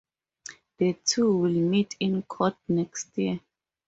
The two will meet in court next year.